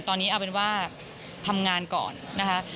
ตอนนี้เอาเป็นว่าทำงานก่อนนะคะ